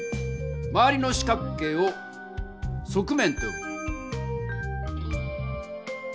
まわりの四角形を「側面」とよぶ。